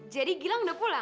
jadi gilang udah pulang